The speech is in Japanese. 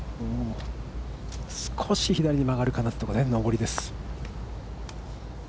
少し左に曲がるかなという上りです。